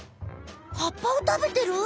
葉っぱをたべてる？